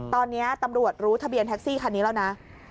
ตอนนี้ตำรวจรู้ทะเบียนแท็กซี่คันนี้แล้วนะ